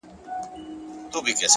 د عمل دوام شخصیت جوړوي،